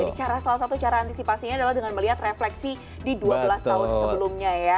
jadi salah satu cara antisipasinya adalah dengan melihat refleksi di dua belas tahun sebelumnya ya